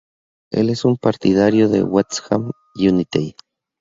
Él es un partidario de West Ham United.